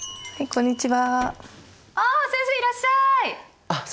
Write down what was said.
こんにちは。